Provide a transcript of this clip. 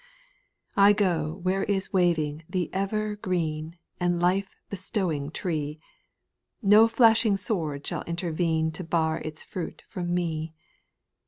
8. I go where is waving the ever green. And life bestowing tree ; No flashing sword shall intervene To bar its fruit from me.